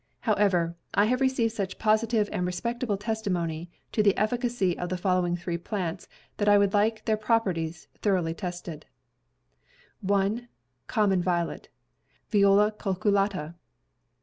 However, I have received such positive and respectable testimony to the effi cacy of the following three plants that I would like their properties thoroughly tested : 1. Common violet (Viola Cucullata).